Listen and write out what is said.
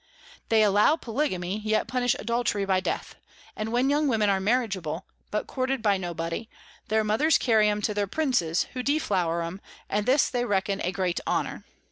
They allow Polygamy, yet punish Adultery by Death; and when young Women are marriageable, but courted by no body, their Mothers carry 'em to their Princes, who deflower 'em; and this they reckon a great Honour.